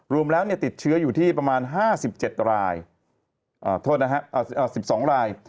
รวมแล้วติดเชื้ออยู่ที่ประมาณ๕๗ราย๑๒ราย